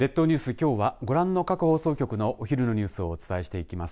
きょうはご覧の各放送局のお昼のニュースをお伝えしていきます。